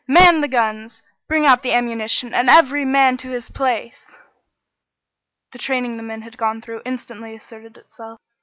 "Man the guns! Bring out the ammunition, and every man to his place!" The training the men had gone through instantly asserted itself.